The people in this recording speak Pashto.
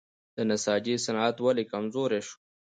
د نساجي صنعت ولې کمزوری شو؟